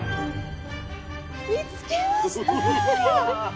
見つけました！